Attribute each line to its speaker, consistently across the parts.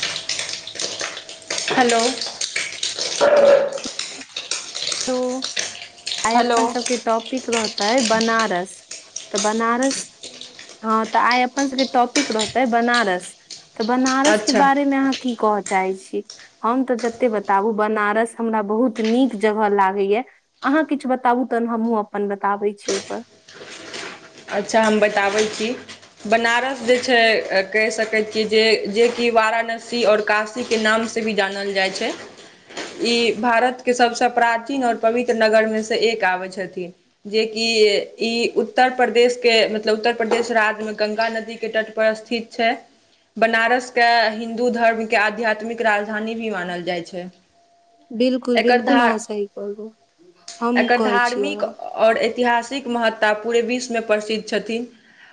Speaker 1: ह
Speaker 2: हेलो
Speaker 1: लो, आइ
Speaker 2: हेलो
Speaker 1: अपन सबके टॉपिक रहतै बनारस तऽ बनारस हँ तऽ आइ अपन सबके टॉपिक रहतै बनारस तऽ बनारस के
Speaker 2: अच्छा
Speaker 1: बारेमे अहाँ की कह चाहे छी, हम त जते बताबु बनारस हमरा बहुत नीक जगह ला ग मैं, अहाँ किछ बताबु तहन हमहुँ अपन बताबै छी ओयिपर।
Speaker 2: अच्छा हम बताबै छी। बनारस जे छै कहै सकै छियै जे जेकि वाराणसी और काशी के नाम से भी जानल जाइ छै। ई भारत के सभसँ प्राचीन और पवित्र नगरमे स एक आबै छथिन। जेकि ई उत्तर प्रदेश के मतलब उत्तर प्रदेश राज मे गंगा नदी के तट पर स्थित छै। बनारस के हिन्दू धर्म के आध्यात्मिक राजधानी भी मानल जाइ छै,
Speaker 1: बिल्कुल
Speaker 2: एकर
Speaker 1: बिल्कुल
Speaker 2: धा
Speaker 1: अहाँ सही कहलू हम
Speaker 2: एकर
Speaker 1: कहै छी
Speaker 2: धार्मिक
Speaker 1: अहाँ
Speaker 2: और ऐतिहासिक महत्ता पूरे विश्वमे प्रसिद्ध छथिन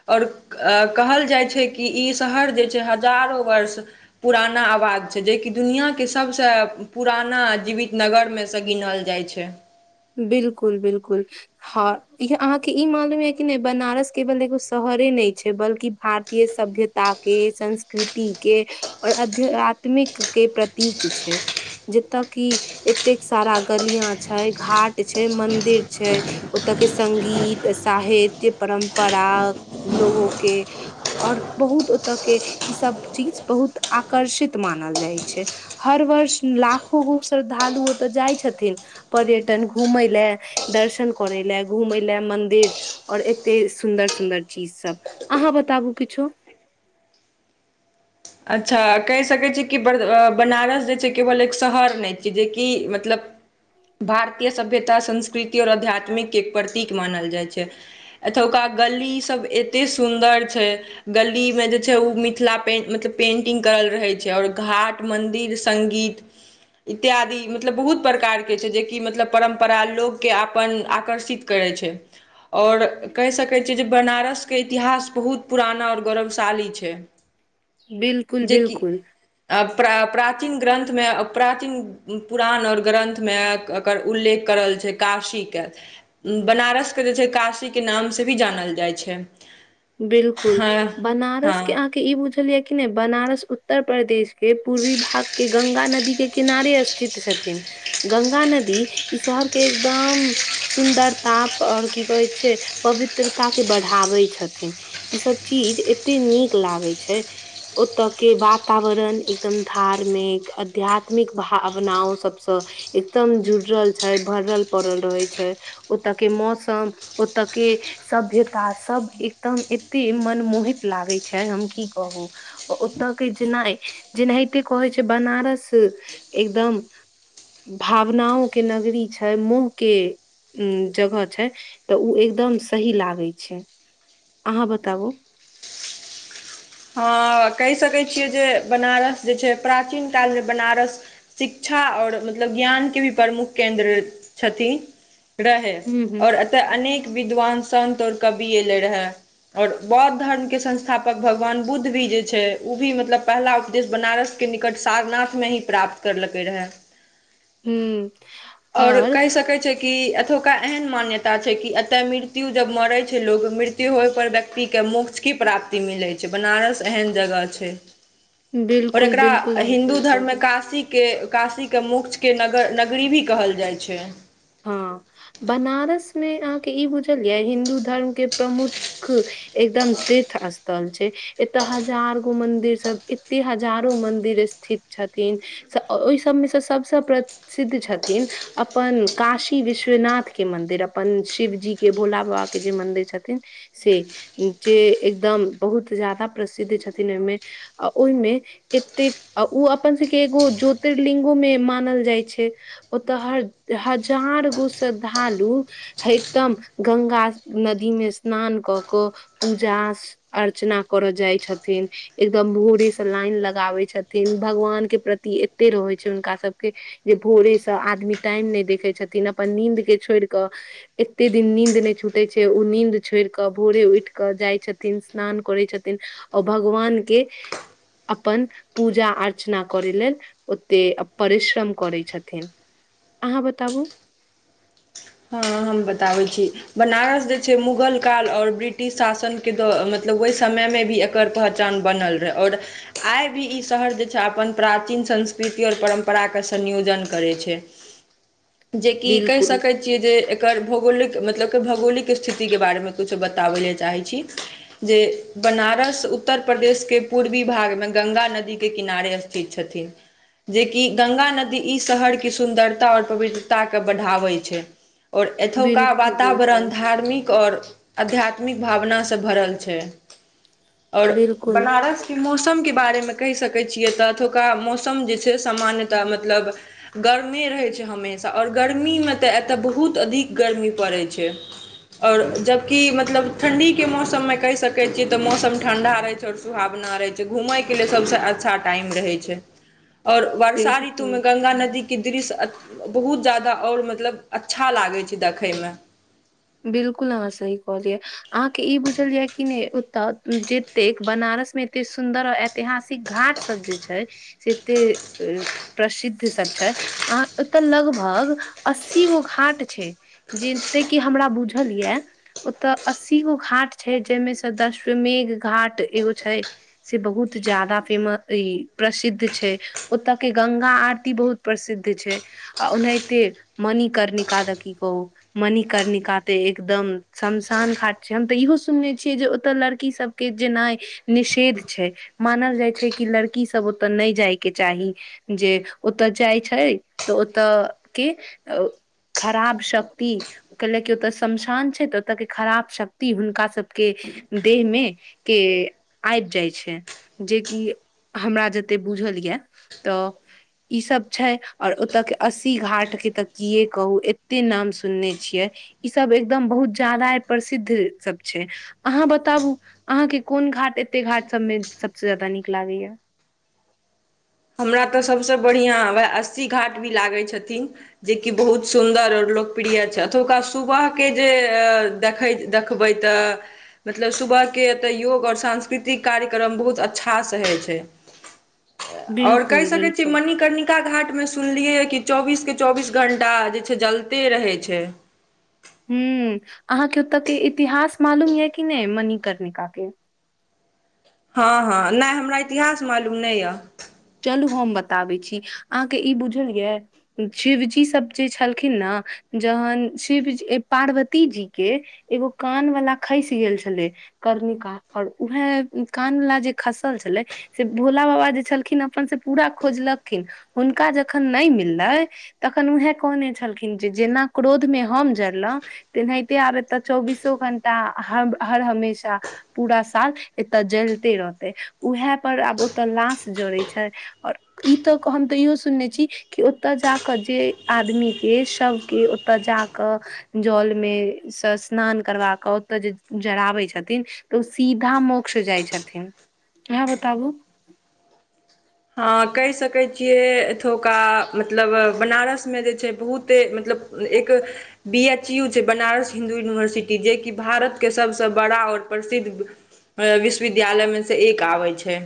Speaker 2: और क-कहल जाइ छै कि ई शहर जे छै हजारो वर्ष पुराना आवाज छै जेकि दुनिया के सबस पुराना जीवित नगर मे स गिनल जाइ छे।
Speaker 1: बिल्कुल बिल्कुल। हँ इहः अहाँके इ मालूम यै कि नयि बनारस केवल एगो शहरे नइ छै बल्कि भारतीय सभ्य ताकी संस्कृति के और अध्य आत्मिक के प्रतीक छै। जत की एतेक सारा गलिया छय, घाट छय, मंदिर छय। ओतऽ के संगीत, साहित्य, परम्परा लोगों के और बहुत ओत के इ सब चीज बहुत आकर्षित मानल जाय छै। हर वर्ष लाखो गो श्रद्धालु ओतऽ जाइ छथिन पर्य तन घूमये ले दर्शन करे लए घूमे लए मंदिर और एते सुन्दर-सुन्दर चीज सब अहाँ बताबू किछो
Speaker 2: अच्छा कहि सके छि की बरद बनारस जे छै केवल एक शहर नइ छै जेकि मतलब भारतीय सभ्यता, संस्कृति, और आध्यात्मिक के प्रतीक मानल जाइ छै। एतुका गल्ली सब एतेक सुन्दर छै। गलीमे जे छै उ मिथिला पेंट मत पेंटिंग करल रहेय छै और घाट, मंदिर, संगीत इत्यादि। मतलब बहुत प्रकार के छै जेकि मतलब परम्परा लोकके अपन आकर्षित करैय छै। और कहि सकैय छियै जे बनारसके इतिहास बहुत पुराना और गौरवशाली छै।
Speaker 1: बिल्क
Speaker 2: जेकि प्रा प्राचीन ग्रन्थमे प्राचीन पुराण और ग्रन्थमे कर उल्लेख करल छै काशीके। बनारसके जे छै काशीके नामसे भी जानल जाइ छै।
Speaker 1: बिल्कुल
Speaker 2: हँ
Speaker 1: बनारस
Speaker 2: हँ
Speaker 1: के आके ई बुझल या कि नहि बनारस उत्तर प्रदेश के पूर्वी भाग के गंगा नदी के किनारे स्थित छथिन। गंगा नदी ई शहरके एकदम सुन्दरता और की कहैत छै पवित्रता के बढ़ाबै छथ थिन ई सब चीज एते नीक लागे छै‌। ओतऽ के वातावरण एकदम धार्मिक आध्यात्मिक भावनाओ सभस एकदम जुड़ल छै भरल पड़ल रहै छै। ओतऽ के मौसम ओतऽ के सभ्यता सभ एक दम एते मनमोहित लागे छै हम की कहू। ओतऽ के जेना जेनाहिते कहै छै बनारस एकदम भावनाओंके नगरी छै मोहके उम जगह छै तऽ उ एकदम सही लागे छै। अहाँ बताबु।
Speaker 2: हँ कहि सकै छियै जे बनारस जे छै प्राचीन कालमे बनारस शिक्षा और मतलब ज्ञानके भी प्रमुख केन्द्र छथिन। रहै
Speaker 1: हूँ हूँ
Speaker 2: और अतऽ अनेक विद्वान संन्त और कवि एले रहा और बौद्ध धर्म के संस्थापक भ गवान बुद्ध भी जे छै उ भी मतलब पहला उपदेश बनारस के निकटस तारनाथमे ही प्राप्त करलकै रहा।
Speaker 1: हू और
Speaker 2: कहि सकै छै कि एतुका एहन मान्यता छै कि एतय मृत्यु जब मरै छै लोग मृत्यु होय पर व्यक्तिके मोक्ष की प्राप्ति मिलै छै बनारस एहन जगह छै। और
Speaker 1: बिल्कुल
Speaker 2: एकरा
Speaker 1: बिल्कुल हम
Speaker 2: हिन्दू
Speaker 1: सही
Speaker 2: धर्म
Speaker 1: कहलियै
Speaker 2: मे काशी के काशीके मोकक्षके नगर नगरी भी कहल जाइ छै।
Speaker 1: हँ बनारसमे अहाँके ई बुझल या हिन्दू धर्मके प्रमुख एकदम तीर्थ स्थल छै एतय हजार गो मंदिर सब एते हजारो मंदिर स्थित छथिन ओहि सभमे सब स प्रसिद्ध छथिन अपन काशी विश्वनाथ के मंदिर अपन शिवजी के भोला बाबा के जे मंदिर छथिन। से जे एकदम बहुत जादा प्रसिद्ध छथिन ओहिमे आ ओहिमे एतेक आ ऊ अपन सबके एगो ज्योतिर्लिंगो मे मानल जाइ छै‌। ओतऽ हजार गो श्रद्धालु हकदम गंगा नदी मे स्नान कऽ कऽ पूजा अर्चना करऽ जाइ छथिन। एकदम भोरे से लाइन लगाबय छथिन भगवान के प्रति एते रहै छै हुनका सबके जे भोरेसँ आदमी टाइम नहि देखैय छथिन अपन नींद के छोड़ि कऽ एते दिन नींन्द नहि छूटैय छै ओ नींन्द छोड़ि कऽ भोरे उठि कऽ जाइत छथिन स्नान करैत छथिन ओ भगवान के अपन पूजा अर्चना करै लेल ओते परिश्रम करै छथिन, अहाँ बताबु।
Speaker 2: हँ हम बताबै छी। बनारस जे छै मुगल काल आओर ब्रिटिश शासन के द मतलब ओहि समय मे भी पहचान बनल रहै और आइ भी ई शहर अपन प्राचीन संस्कृति आओर परम्पराके संयोजन करै छै। जे कि कहि
Speaker 1: बिल्कुल,
Speaker 2: सकैत छियै जे एकर भौगोलिक मतलब भौगोलिक स्थितिके बारेमे किछु बताबै ले चाहै छी जे बनारस उत्तर प्रदेश के पूर्वी भागमे गंगा नदी के किनारे स्थित छथिन। जेकि ग्ंगा नदी ई शहर के सुन्दरता आओर पवित्रता के बढ़ाबै छै। आओर एतुका
Speaker 1: बिल्कुल,
Speaker 2: वातावरण
Speaker 1: बिल्कुल,
Speaker 2: धार्मिक आओर आध्यात्मिक भावना सँ भरल छै और
Speaker 1: बिल्कुल,
Speaker 2: बनारस मौसम के बारेमे कहि सकै छियै तऽ एतुका मौसम जे छै सामान्यतः मतलब गर्मी रहैत छै हमेशा आओर गर्मी में तऽ एतय बहुत अधिक गर्मी पड़ैत छै। आओर जबकि मतलब ठण्डी के मौसम मे कहि सकै छियै तऽ मौसम ठण्डा रहै छै आओर सुहावना रहै छै घुमय के लिए सबसे अच्छा टाइम रहै छै।
Speaker 1: [inaudible]
Speaker 2: आओर वर्षा ऋतुमे
Speaker 1: बिल्कुल।
Speaker 2: गङ्गा नदीके दृश्य बहुत ज्यादा आओर मतलब अच्छा लागै छै देखै में।
Speaker 1: बिलकुल अहां सही कहलियै। अहाँ के ई बुझल य कि नहि ओतऽ जतेक बनारस मे एते सुन्दर आ ऐतिहासिक घाट सब जे छै से एते प्रसिद्ध सब छै आ ओतऽ लगभग अस्सी गो घाट छै जेते कि हमरा बुझल ये ओतऽ अस्सी गो घाट छै जहि में स दश्वमेघ घाट एगो छै से बहुत जादा फेमस ई प्रसिद्ध छै, ओतय के गंगा आरती बहुत प्रसिद्ध छै आ ओनाहिते मणिकर्णिका के की कहू मणि कर्णिका ते एकदम शमशान घाट छै हम तऽ इहो सुनने छियै जे ओतऽ लड़की सबके जेनाइ निषेध छै मानल जाइ छै कि लड़की सबके ओतय नहि जाय के चाही। जे ओतय जाइ छै तऽ ओतऽ के खराब शक्ति कैलक ओतऽ श्मशान छै तऽ ओतऽ के खराब शक्ति हुनका सब के देह में के आबि जाइ छै जेकि हमरा जते बुझल ये तऽ इ सब छै और ओते के अस्सी घाट के ते की कहू एते नाम सुनने छियै ई सब एकदम बहुत जादा प्रसिद्ध सब छै अहाँ बताबु अहाँके कोन घाट एते घाट सभ में सबसे ज्यादा नीक लगैये।
Speaker 2: हमरा तऽ सबसे बढ़ियां वैह अस्सी घाट भी लागे छथिन। जेकि बहुत सुन्दर आओर लोकप्रिय छैथ ओतुका सुबहके जे देखैत देखबै तऽ मतलब सुबहके एतय योग आओर सांस्कृतिक कार्यक्रम बहुत अच्छासँ होइ छै।
Speaker 1: [inaudible]
Speaker 2: आओर कहि सकैत छी
Speaker 1: बिल्कुल
Speaker 2: मणिकर्णिका का घाट मे सुनलियै कि चौबीस के चौबीस घण्टा जे छै जलते रहै छै।
Speaker 1: हुं अहाँके ओते के इतिहास मालूम ये कि नै मणिकर्णिका के
Speaker 2: हँ- हँ नय हमरा इतिहास मालूम नइ यऽ
Speaker 1: चलू हम बताबै छी, अहाँके ई बुझल ये झिवजी सभ जे छलखिन न जहन शिवी पार्वती जी के एगो कान वाला खइस गेल छलै कर्णिका आओर उएहे कान वला जे खसल छलै से भोला बाबा जे छलखिन हे अपन से पूरा खोजलखिन हुनका जखन नय मिललै तखन उएह कहने छलखिन जे जेना क्रोध में हम जरलहुँ तेनाहिते आबैत तऽ चौबीसो घंटा हर हमेशा पूरा साल एतय जलिते रहते उएह पर आब ओतऽ लाश जड़े छै। छै आओर ई तऽ हम तऽ, इहो सुनने छी, कि ओतय जा कऽ, जे आदमी के सभके ओतय जा कऽ, जल मे सँ स्नान करबा कऽ, ओतय जे जराबै छथिन तऽ ओ सीधा मो्ष जाइ छथिन इहाँ बताबू
Speaker 2: हँ कहि सकै छियै, एतुका मतलब बनारस में जे छै बहुत त मतलब एक बी एच यू छै बनारस हिन्दू यूनिवर्सिटी जेकि भारतके सबसँ बड़ा आऔर प्रसिद्ध विश्वविद्यालय मे से एक आबै छै,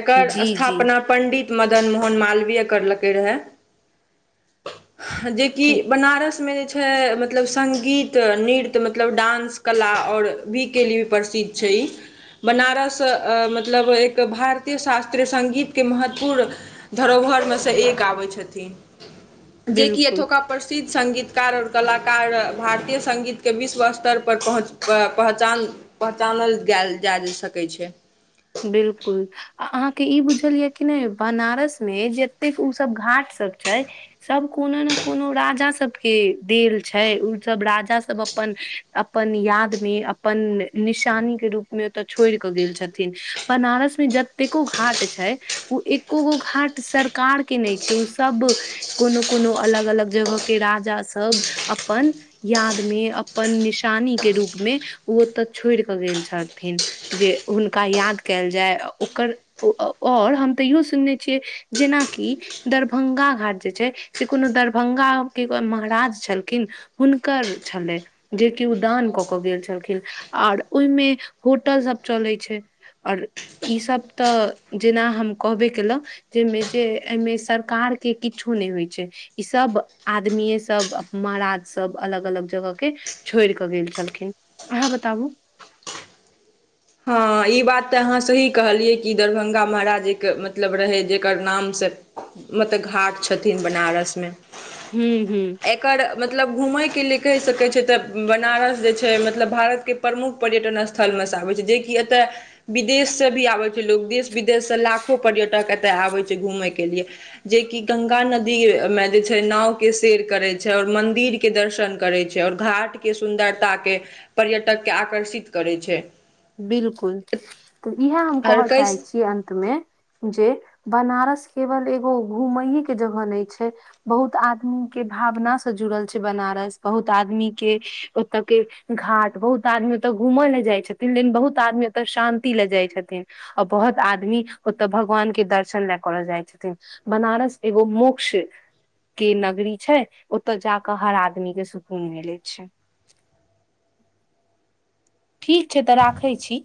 Speaker 2: एकर
Speaker 1: जी जी
Speaker 2: पं्डित मदन मोहन मालवीय करलकै रहै जै की बनारस मे जै छय मतलब सङ्गीत, नृत्य मतलब डान्स, कला आओर भी के लिए भी प्रसिद्ध छै ई बनारस मतलब एक भारतीय शास्त्र सङ्गीत के महत्वपूर्ण धरोहरमे सँ एक आबै छथिन। जे कि
Speaker 1: बिलकुल
Speaker 2: एथका प्रसिद्ध सङ्गीतकार आओर कलाकार भारतीय सङ्गीतके विश्व स्तर पर पहुँच पहचान पहचानल गइल जा सकैत छै।
Speaker 1: बिलकुल अहाँके ई बुझल ये कि नै बनारस मे जतेक ऊ सब घाट सब छै सब कोनो ने कोनो राजा सबके देल छै, ओ सब राजा सब अपन अपन याद मे अपन निशानी के रूप मे ओते छोड़ के गेल छथिन बनारस मे जतेको घाट छै, ओ एको गो घाट सरकार के नइ छै, ओ सब कोनो - कोनो अलग -अलग जगह के राजा सब अपन याद मे अपन निशानी के रूप मे ओ ओतऽ छोड़ कऽ गेल छथिन। जे हुनक हनका याद कयल जाय ओकर आओर हम तऽ इहो सुनने छियै जेनाकि दरभंगा घाट जे छै, से कोनो दरभंगा के महाराज छलखिन हुनकर छलै, जेकि उदान कऽ कऽ, गेल छलखिन आओर ओइ मे होटल सब चलैत छै, आऔर ईसभ तऽ, जेना हम कहबे केलउ। जाहिमे जे एहिमे सरकार के किछो नहि होइ छै ई सब आदमीे सब महाराज सब अलग - अलग जगह के छोड़ि कऽ, गेल छलखिन अहाँ बताबू
Speaker 2: हँ ई बात तऽ, अहाँ सही कहलियै। ई दरभंगा महाराजीक के मतलब रहै जकर नाम सँ मतलब घाट छथिन बनारस मे।
Speaker 1: ह्म्म ह्म्म।
Speaker 2: एकर मतलब घुमै के ले कैह सकै छै तऽ बनारस जै छै। मतलब भारत के प्रमुख पर्यटन स्थल मे से आबै छै, जे कि एते विदेश से भी आबै छै। लोग देश विदेश से लाखो पर्यटक एतय आबै छै घूमय के लिए। जे कि गंगा नदी मे जे छै नाव के सेेर करै छै और मंदिर के दर्शन करै छै और घाट के सुन्दरता के, पर्यटक के आकर्षित करै छै।
Speaker 1: बिलकुल। तऽ इएह हम
Speaker 2: आओर
Speaker 1: कहऽ चाहै
Speaker 2: कहि
Speaker 1: छी अंत मे जे बनारस केवल एगो घूमेइ के जगह नहि छै। बहुत आदमी के भाबना से जुड़ल छै बनारस। बहुत आदमी के, ओतऽ के घाट। बहुत आदमी ओतऽ घूमय लए जाइ छथिन लेइन बहुत आदमी ओतऽ शांति लए जाइ छथिन। अव बहुत आदमी ओतऽ भगवान के दर्शन लए करऽ जाइ छथिन। बनारस एगो मोक्ष के नगरी छै। ओतअ जाकअ हर आदमी के सुकून मिलै छै। ठीक छै तऽ राखै छी।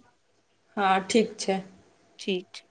Speaker 2: हँ ठीक छै।
Speaker 1: ठीक।